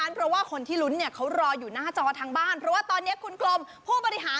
สังพันธ์อะไรจะอยู่ภาคไหนมาลุ้นกันอีกไม่กี่นาทีนี้ค่ะ